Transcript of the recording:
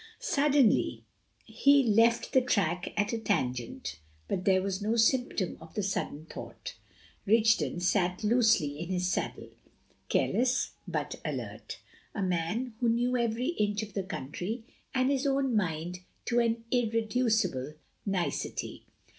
Suddenly he left the track at a tangent; but there was no symptom of the sudden thought. Rigden sat loosely in his saddle, careless but alert, a man who knew every inch of the country, and his own mind to an irreducible nicety.